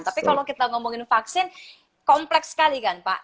tapi kalau kita ngomongin vaksin kompleks sekali kan pak